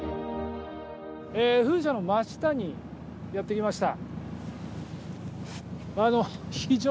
風車の真下にやってきました。